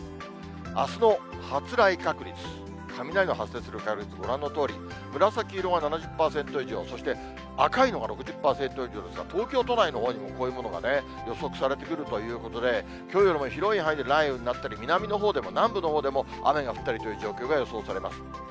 あすの発雷確率、雷の発生する確率、ご覧のとおり、紫色が７０％以上、そして赤いのが６０％以上ですから、東京都内のほうにもこういうものが予測されてくるということで、きょうよりも広い範囲で雷雨になったり、南部のほうでも雨が降るという状況が予想されます。